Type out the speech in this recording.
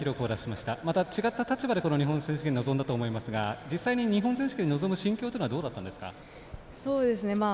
また違った立場で日本選手権臨んだと思いましたが実際に日本選手権に臨む心境っていうのはどうだったんですか？